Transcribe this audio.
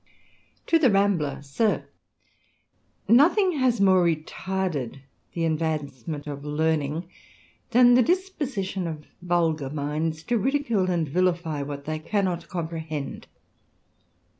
TO THE RAMBLER. lyrOTHING has more retarded the advancement of •*•^ learning than the disposition of vulgar minds to ridicule and vilify what they cannot comprehend.